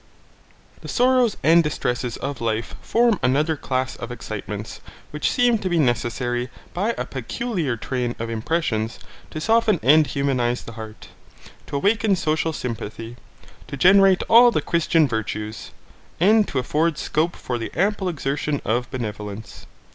The sorrows and distresses of life form another class of excitements, which seem to be necessary, by a peculiar train of impressions, to soften and humanize the heart, to awaken social sympathy, to generate all the Christian virtues, and to afford scope for the ample exertion of benevolence.